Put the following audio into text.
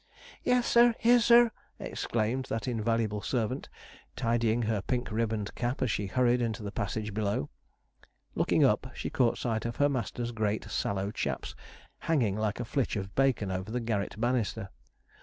'Yes, sir! here, sir!' exclaimed that invaluable servant, tidying her pink ribboned cap as she hurried into the passage below. Looking up, she caught sight of her master's great sallow chaps hanging like a flitch of bacon over the garret banister.